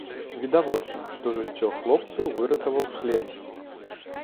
Відавочна, што жыццё хлопцу выратаваў шлем.